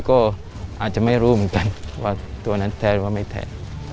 ก็อาจจะไม่รู้เหมือนกันว่าตัวนั้นแท้หรือว่าไม่แท้